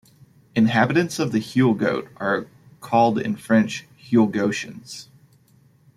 Inhabitants of Huelgoat are called in French "Huelgoatains".